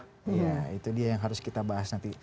iya itu dia yang harus kita bahas nanti